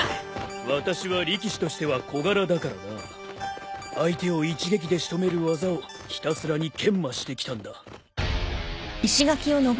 私は力士としては小柄だからな相手を一撃で仕留める技をひたすらに研磨してきたんだ。